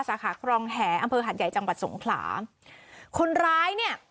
สาขาครองแหอำเภอหัดใหญ่จังหวัดสงขลาคนร้ายเนี่ย